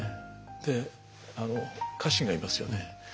で家臣がいますよね。